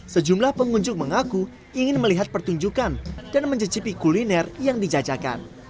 sejumlah pengunjung mengaku ingin melihat pertunjukan dan mencicipi kuliner yang dijajakan